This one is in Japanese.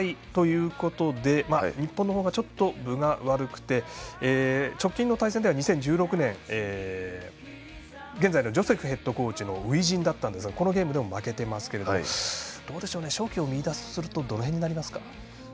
過去の対戦成績でいいますと１勝５敗ということで日本の方が、ちょっと分が悪くて直近の対戦では２０１６年現在のジョセフヘッドコーチの初陣だったんですがこのゲームでも負けていますが勝機を見出すとするとどの辺になりますか？